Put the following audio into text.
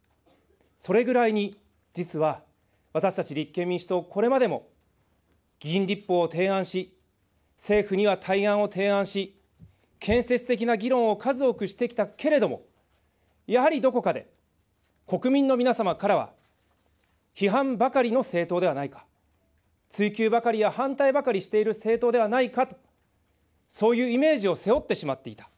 それぐらいに実は、私たち立憲民主党、これまでも議員立法を提案し、政府には対案を提案し、建設的な議論を数多くしてきたけれども、やはりどこかで国民の皆様からは批判ばかりの政党ではないか、追及ばかりや反対ばかりしている政党ではないかと、そういうイメージを背負ってしまっていた。